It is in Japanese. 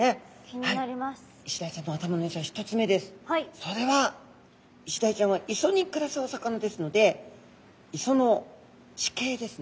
それはイシダイちゃんは磯に暮らすお魚ですので磯の地形ですね